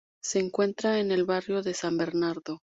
Se encuentra en el barrio de San Bernardo.